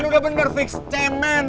kan udah bener fix cemen